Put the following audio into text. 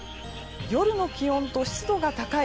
夜の気温と湿度が高い